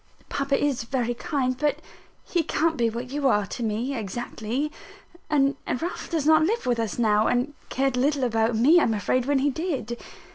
Papa is very kind; but he can't be what you are to me exactly; and Ralph does not live with us now, and cared little about me, I am afraid, when he did.